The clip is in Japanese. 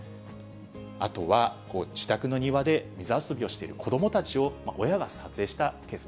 あとは自宅の庭で水遊びをしている子どもたちを、親が撮影したケース。